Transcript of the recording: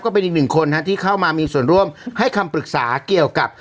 เป็นอีกหนึ่งคนที่เข้ามามีส่วนร่วมให้คำปรึกษาเกี่ยวกับ